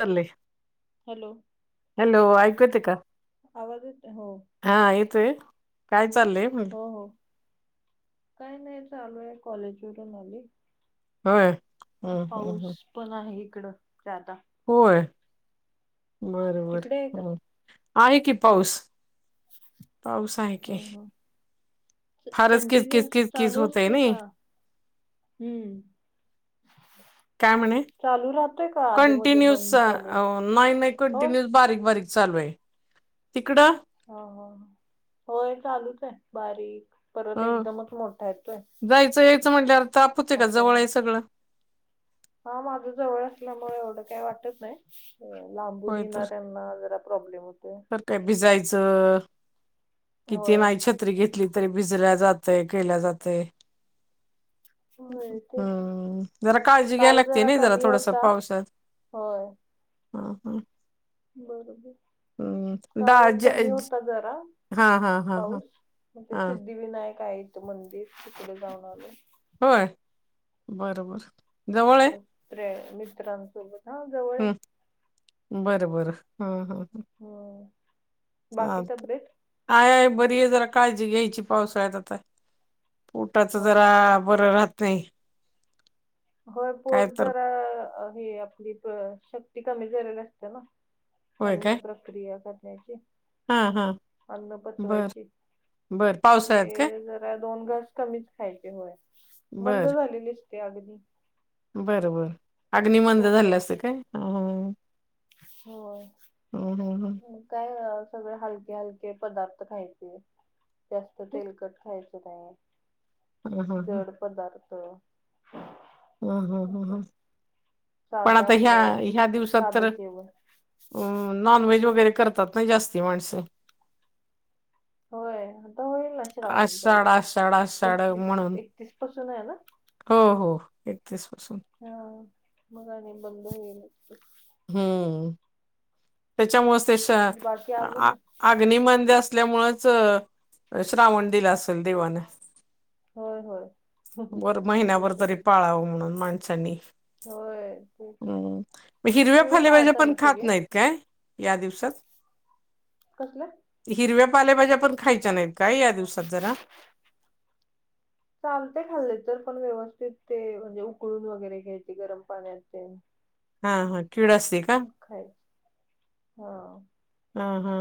चाल ले. हॅलो ऐकू येते का आवाज येत हो. हा येतय काय चाललंय? हो काही नाही चालू आहे कॉलेज वून आली. होय. हम्म हम्म पाऊस हम्म पण आहे इकडं जादा. होय बर बर तिकडे आहे का? हो आहे कि पाऊस. पाऊस आहे ह की ह फारच किचकीच कंटिन्युअस किचकीच चालू होतय असतोय नाही का? हम्म. काय म्हणे? चालू राहतोय का आधी मध्ये कंटिन्यूस बंद चालू नाही, नाही होय. कंटिन्यू बारीक, बारीक. चालूय. तिकडं? हं हं ह होय चालूच आहे बारीक परत हो एकदमच मोठा येतोय. जायचं यायचं म्हटल्यावर ताप होतय का असं जवळय सगळं? हा माझ जवळ असल्यामुळे एवढं काही वाटत नाही लांबूनून होय तर येणा्यांना जरा प्रॉब्लेम होते. काय भिसायचं किती होय. नाही छ त्री घेतली तरी भिजल्या जातय केल्या जातय. होय तेच हम्म जरा काळजी घ्याय काल लागती नाही जरा कमी थोडस होता पावसात. होय. हां हां. बरोबर. काल डाळ ज कमी ज- होता जरा हा हा हा हा पाऊस म्हणे हा सिद्धी विनायक आहेत मंदिर तिकडे जाऊन आलोय. होय? बरं बरं. मित्रय, मित्रांसोबत, हा जवळय. बरं-बरं हां हं. हम्म. बाकी हा, तब्येत हायय बरी ये, जरा काळजी घ्यायची पावसाळ्यात आता. पोटाच होय होय जरा बरं राहतय. होय पोट जरा, हे आपली क् शक्ती कमी करत असत ना. होय काय अन्न प्रक्रिया करण्याची. हा हा अन्न बर पचवायची, बर पावसाळ्यात ते काय जरा दोन घास कमीच खायचे हो, मंद झालेली असते अग्नी. बर-बर, अग्नि मंद झालेला असतो पोटाची काय? ह्म. होय. हम्म हम्म हम्म. काय अ सगळे हलके-हलके पदार्थ खायचे. जास्त तेलकट खायच नाय, हा हा जड पदार्थ हम्म हम्म हम्म असं हम्म. पण साधं आता ह्या, आपलं ह्या दिवसात तर, साधं जेवण अम नॉन व्हेज वगैरे करतात ना जास्ती माणसं? होय, आता हॊईल ना श्रावण चालू, आषाढ आषाढ आषाढ म्हणून एकतीस-एकतीस पासून आहे ना? हो हो एकतीस पासून. ह्म मग अजून बंद होईल. हम्म, त्याच्यामुळेच ते श्र बाकी आ आवरलं अग्निमंद असल्यामुळेच अ श्रावण दिला असल देवान. होय-होय. बर, महिन्याभर तरी पाळावं म्हणून माणसांनी. होय ते हम्म, [unintelligible] हिरव्या तुम्ही फलेभाज्या पाळता पण ना खात नाहीत. काय, या दिवसात? कसल्या? हिरव्या पालेभाज्या पण खायच्या नाहीत का, या दिवसात जरा? चालतय खाल्ले तर, पण व्यवस्थित ते म्हणजे उकळून वगैरे घ्यायचे गरम पाण्यात ते. हा हा किळस खायच, हा हा हा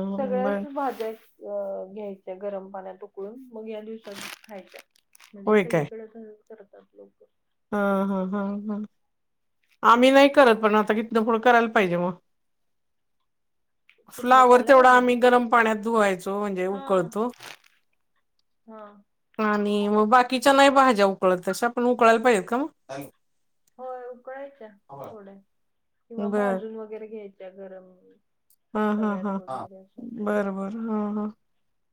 बर सगळ्याच भाज्या अ घ्यायचय गरम पाण्यात उकळून, मग या दिवसात खायच्या. म्हणजे होय सगळीकडे [unintelligible] करतात लोक. हां हां हां हं. आम्ही नाही करत पण आता, हितनं पुढं करायला पाहिजे मग. [inaudible] कुठल्या फ्लावर तेवढा पालेभाज्या? आम्ही गरम पाण्यात धुवायचो, म्हणजे हा उकळतो. हा. आणि मग बाकीच्या नाही भाज्या उकळत, तस्या पण उकळायला पाहिजेत का मग? होय उकळायच्या थोड्या, किंवा बर. भाजून वगैरे घ्यायच्या गरम. हां हां तव्यात हां, वगैरे असं बरबर हं हं.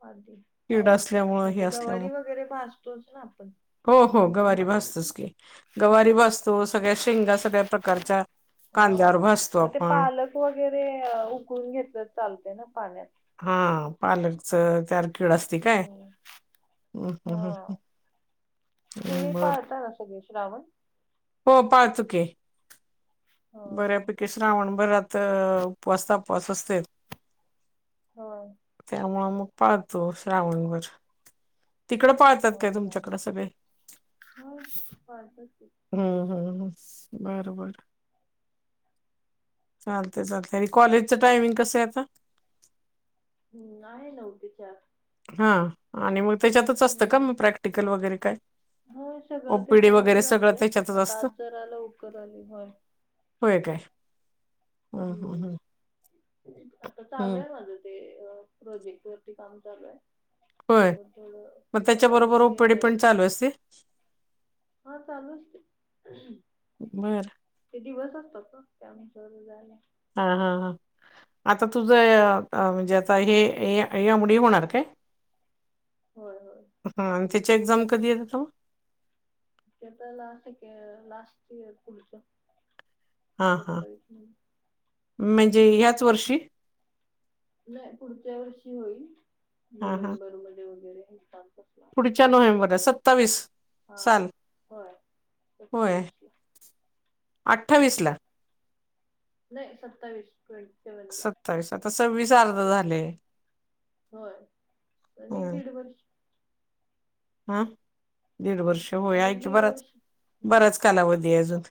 आधी, म हे ते असल्यामुळं. गवारी वगैरे भजतोच ना आपण? हो हो धुवून गवारी भासतोच की, गवारी हा भासतो, सगळ्या शेंगा, सगळ्या प्रकारच्या हा कांद्यावर भाजतो मग ते आपण. पालक वगैरे उकडून घेतलं त चालते ना पाण्यात हा पार्लरचं [unintelligible] असती काय हम्म हम्म् हम्म ह हा तुम्ही पाळता का सगळे श्रावण हो पाळतो की हा बऱ्यापैकी श्रावणभरात उपवास तापवास असतेत. होय. त्यामुळं मग पाळतो श्रावण भर तिकडं पाळतात हो काय हो हो तुमच्याकडे सगळे. हो पाळतो की. हम्म हम्म हम्म बर बर. चालते चालते आणि कॉलेजचं टायमिंग कसंय आता? हम्म आहे नऊ ते चार हा आणि मग त्याच्यातच असतं का हम्म मग प्रॅक्टिकल वगैरे काय? होय सगळं ओपीडी वगैरे त्याच्यामध्येच सगळं असतय त्याच्यातच आता आज असतं जरा लवकर आली होय. होय काय? हम्म हम्म हम्म आता हम्म चालूय माझ. अ प्रोजेक्टवरती काम चालूय. होय त्यामुळ थोड आता आमचे रस्सी हा चालू असतय. बरं. ते दिवस असतात ना त्या आमच जायला.. हा हा हा आता तुझं लागतंय म्हणजे आता हे हे ए एम डी होणार काय? होय होय. हा त्याची एक्झाम कधी आहेत अता? ते अता लास्ट इक लास्ट आहे पुढच हा हां म्हणजे याच वर्षी. नाही पुढच्या वर्षी होईल हा हा नोव्हेंबर मध्ये वगैरे हे का पुढच्या नोव्हेंबरला सत्तावीस हा साल होय होय सत्तावीस आट - अठ्ठावीस ला. नाही सत्तावीस ट्वेंटी सेवन ला. सत्तावीस अता सव्वीस अर्ध झालय. होय आणि दीड वर्ष. हा दीड वर्ष होय आणि हाय की दीड बराच वर्ष बराच कालावधी आहे अजून.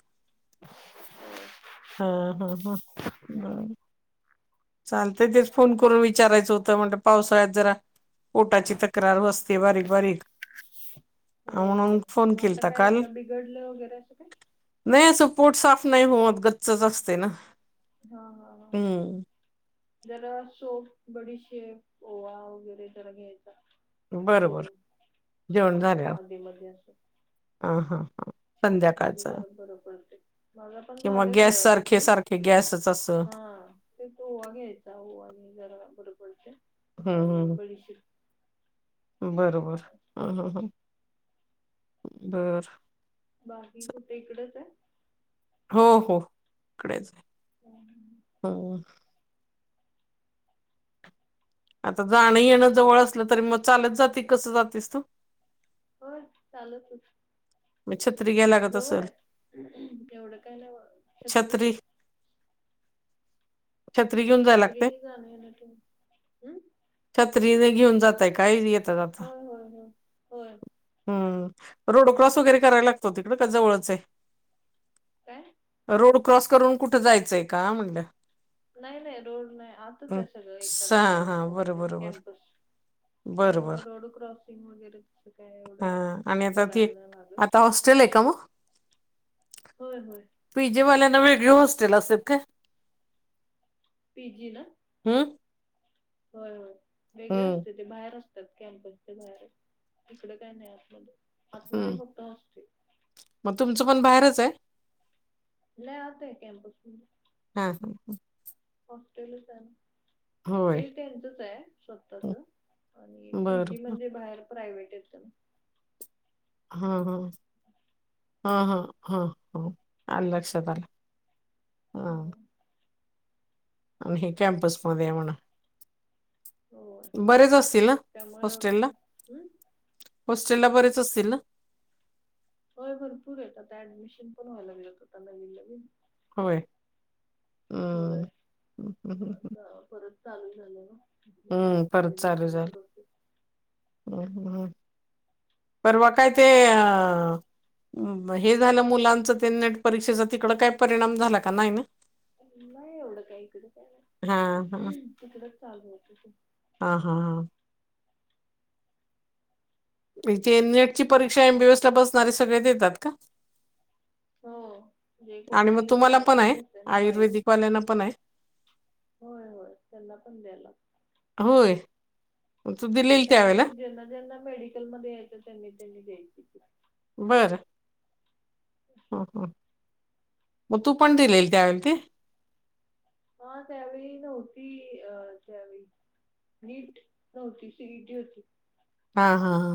हा हा हा. चालतय तेच फोन करून विचारायचं होतं म्हणल पावसाळ्यात जरा पोटाची तक्रार असते बारीक - बारीक होय म्हणून होय फोन मग आता केलता काय काल क बिघडलं वगैरे असं काय? नाही अस पोट साफ नाही होत गच्चच असतय ना? हा हा हा. हम्म जरा सोप बडीशेप ओवा वगैरे जरा घ्यायचा. बरोबर घेऊन किंवा आधी मधी असं आ हा हा. म्हे संध्याकाळचं बर बरोबरते माझा पण किंवा झालेल गॅस जरा तस सारखे सारखे गॅसच असं हा ते तो ओवा घ्यायचा होवा आणि जरा बर पडते आणि हम्म बडी शिक बरोबर ह असं. ह ह बर बाकी कुठे इकडच आहे हो हो इकडेच आहे आहे हो आता जाणं येणं हो जवळ असलं तरी मग चालत जाते कस जातस तू हो चाल त छत्री घ्या जवळ आहेत एवढं काय ना छत्री छत्री घेऊन जायला लागते छतरीने गाणे ना तू हम् छत्रीने घेऊन जातय काय होय होय हो होय हम् रोड क्रॉस वगैरे करायला लागतो तिकड का जवळच आहे काय रोड क्रॉस करून कुठं जायचंय का म्हणलं नाही नाही रोड नाही आताच हम्म. आहे सगळं स- एकाच हा हच्यामध्ये कॅम्पस ग बरंबर रोड क्रॉसिंग वगैरे तसं काय हा एवढं आणि आता ती करायला नाही लागत आता हॉस्टेल आहे का मग होय होय पी जे वाल्यांना वेगळे हॉस्टेल असेल का पी जी ना हम्म होय होय वेगळे हम्म असते ते बाहेर असते कॅम्पस बाहेर इिकडे काय नाही आतमध्ये आतमध्ये हम्म फक्त हॉस्टेल मग तुमचं पण बाहेरच आहे नाही आता ह कम बसून हा हा हा हॉस्टेलच आहे ना होय हे त्यांचच आहे स्वतःच आणि बर पीजी बर. म्हणजे बाहेर प्रायवेट येत हा हा हा हा हा ह आल् लक्षातला हा आणि हे कॅम्पसमध्येध्ये आहे म्हणा हो बरेच असतील ना त्यामुळे एवढं हॉस्टेल ला काय हम्म? हॉस्टेलला काय बरेच असतील ना होय बर तूरेेत आता ऍडमिशन पण व्हायला लागळत होता नवीन नवीन होय होय हम्म हम्म हम्म, परत चालू झालं हम्म, ना ऍडमिशन प्रोट ह परवा काय ते अ हे झालं मुलांचं ते नेट परीक्षेचा तिकड काही परिणाम झाला का नाही ना नाही एवढं काय इकड, हा काय हा तिकडच चालू होत. ते हा हा हां इथे नेट ची परीक्षा एमबीएस ला बसणारे सगळे देतात का हो. जे कोणी साय हे घेतय ना बायू पले ना पण आहे. होय होय त्यांना पण द्यायला होय त दिलेल त्यावेेळेला जलला ज मेडिकल मध्ये याय त्यांनी त्यांनी दय बरं. मग तू पण दिलेल त्यावेल ते हा त्यावेळी नव्हती. अ त्यावेळी नीट नव्हती सिडी होती हा हा हा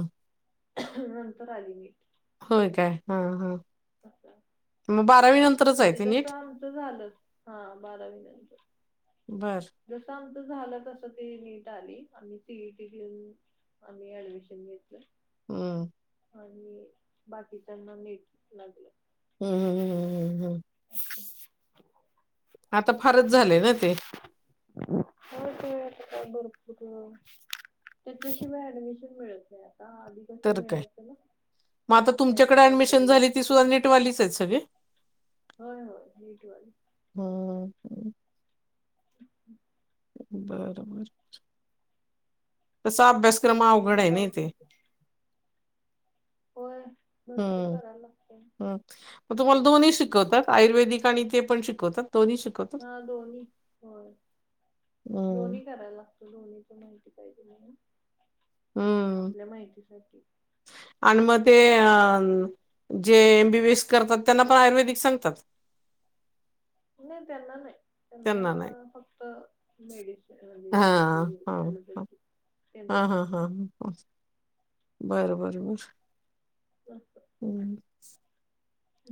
नंतर, आली म होय. काय हा हा मग बारावी नंतरच आहे म्हणजे ते जस नीट आमचं झालं हा बारावी नंतर बर जसं आमचं झालं. तस ती नीट आली आम्ही सीईटी घेऊन आम्ही ऍडमिशन घेतलं. हम्म आणि बाकी त्यांना नीट लागलं हं, हं, हं, हं. अच्छा आता फारच झालंय, ना ते हो त गरपू [unintelligible] त्याच्याशिवाय ऍडमिशन मिळत, नाही आता आधी कसं तर काय मिळायचं, ना मग आता काही ना तुमच्याकडे ऍडमिशन काहीतरी झाली ती सुद्धा नेटवालीच आहे सगळे होय. हो हेटवा हम्म हम् [unintelligible] बरोबर तसा अभ्यासक्रम बाकी अवघड आणि आहे. ना पाऊस तेे होते. होय भरपूर हम्म करायला लागतंय हम. तुम्हाला दोन्ही शिकवतात. आयुर्वेदिक आणि ते पण शिकवतात. दोन्ही शिकात हा दोन्ही होय हं. दोन्ही करायला, दोन्हीच माहिती पाहिजे. नाही हं. आपल्या माहिती साठी आणि मग ते अ जे एमबीबीएस करतात. त्यांना पण आयुर्वेदिक सांगतात. नाही त्यांना नाही त्यांना फक्त मेडिशन आपले अलोबथिक हा. हा हा ह बर. बर बर हम्.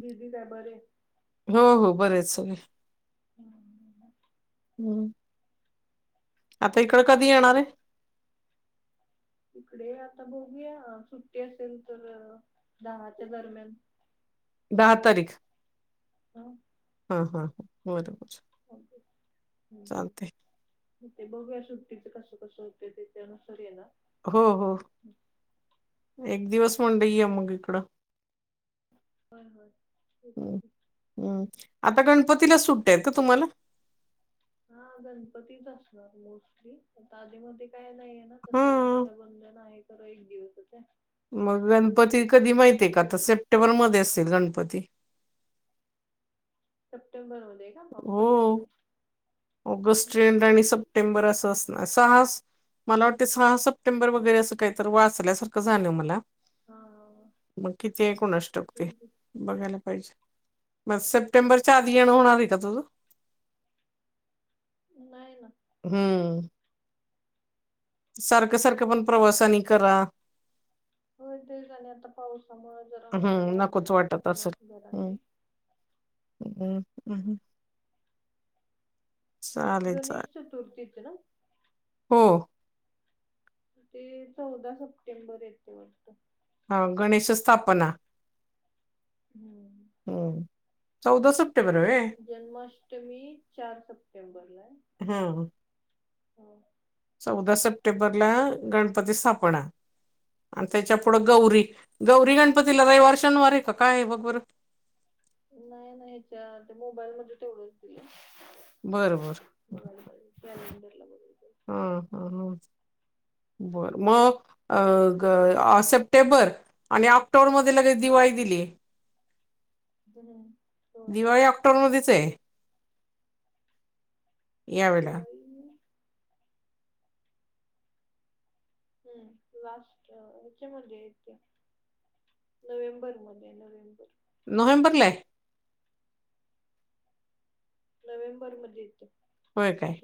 बिझीस, आहे. बरे हो. हो. बरेच सग हम् [unintelligible] हम्म आता इकड कधी येणार आहे. इकडे आता बघूया सुट्टी असेल. तर दहाच्या दरम्यान दहा तारीख ह हा, हा, हा बरोबर [unintelligible] चालतंय. ते बघूया सुट्टीच कसं, कसं होत तेच्या नुसार येनार हो, हो एक दिवस म्हणल ये मग इकडं होय, होय येते कि हम् आता गणपतीला सुट्ट्या हायत का तुम्हाला? हा गणपतीच असणार मोस्टली आता आधी मध्ये काय नाही ना तस हं. रक्षाबंधन आहे तर एक दिवसच आहे मग गणपती कधी माहिती आहे. का आता तेवढं सेप्टेंबर मध्ये असेल गणपती सप्टेंबर मध्ये का ऑक्टोबर हो मध्ये ऑगस्ट एंड आणि सप्टें प्टेंबर असं असणार सहा मला वाटतं सहा सप्टेंबर वगैरे असं काहीत वाचल्या सार रखं मला हा मग किती कुणाष्टोक ते असेल की. बघायला पाहिजे. मग सप्टेंबरच्या आधी येणं होणार आहे का तुझं? नाही ना हम्म सारखं, सारखं पण प्रवासानी करा हो तेच आणि आता पावसामुळे जरा हम्म राहूदे नकोच म्हणले वाटत मग असेल. घरातले हम्म [unintelligible] चालेल, गणेश चालेल चतुर्थीच ना हो ते चौदा सप्टेंबर येत वाटत हा गणेश स्थापना हम्म हम्म चौदा सप्टेंबर वै जन्माष्टमी चार सप्टेंबर लाय हा हो चौदा सप्टेंबरला गणपती स्थापना आणि त्याच्या हा पुढं गौरी गौरी गणपतीला रविवर, शनिवार हाय का काय बघ बरं? नाही, नाही च्या ते मोबाईल मध्ये तेवढच दिलंय बर, बर बघायला पाहिजे कॅलेंडरला बघायला पाहिजे हा ह, ह बरं मग अ ग सप्टेंबर आणि ऑक्टोबर मध्ये लगे दिवाळी दिलीय [unintelligible] होय दिवाळी ऑक्टोबर मधेचय यावेळेला दिवाळी हम्म लास्ट हच्यामध्ये येते नोव्हेंबर मध्ये नोव्हेंबर नोव्हेंबर नाय नोव्हेंबर मध्ये येतीय होय काय?